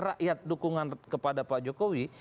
rakyat dukungan kepada pak jokowi